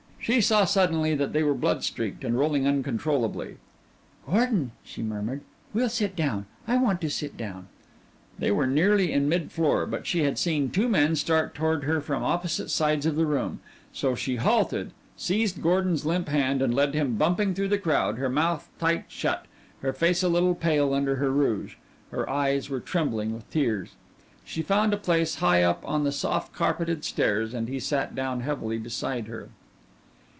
She saw suddenly that they were blood streaked and rolling uncontrollably. "Gordon," she murmured, "we'll sit down; I want to sit down." They were nearly in mid floor, but she had seen two men start toward her from opposite sides of the room, so she halted, seized Gordon's limp hand and led him bumping through the crowd, her mouth tight shut, her face a little pale under her rouge, her eyes trembling with tears. She found a place high up on the soft carpeted stairs, and he sat down heavily beside her.